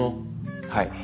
はい。